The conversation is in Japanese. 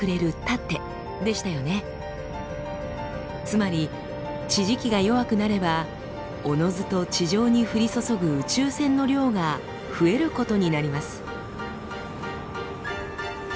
つまり地磁気が弱くなればおのずと地上に降り注ぐ宇宙線の量が増えることになります。